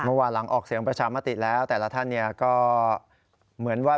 เมื่อวานหลังออกเสียงประชามติแล้วแต่ละท่านก็เหมือนว่า